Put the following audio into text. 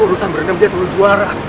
urutan berendam dia sebelum juara